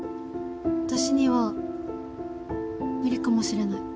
私には無理かもしれない。